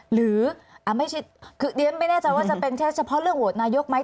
หรือคือเดี๋ยวไม่แน่ใจว่าจะเป็นเฉพาะเรื่องโหวตนายกไหม